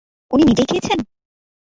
উনি নিজেই খেয়েছেন?